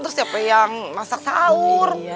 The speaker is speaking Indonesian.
terus siapa yang masak sahur